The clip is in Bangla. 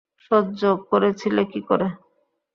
সহ্য করেছিলে কী করে?